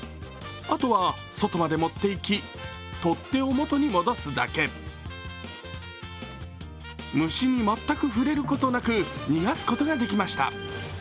あとは外まで持って行き取っ手をもとに戻すだけ虫に全く触れることなく、逃がすことができました。